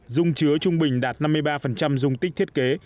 dung chứa trung bình đạt năm mươi ba dung tích thiết kế